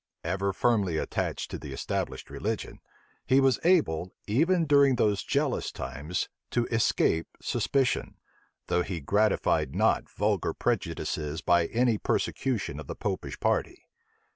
Ever firmly attached to the established religion, he was able, even during those jealous times, to escape suspicion, though he gratified not vulgar prejudices by any persecution of the Popish party.